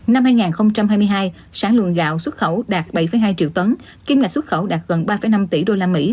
năm hai nghìn hai mươi hai sản lượng gạo xuất khẩu đạt bảy hai triệu tấn kiêm ngạch xuất khẩu đạt gần ba năm tỷ usd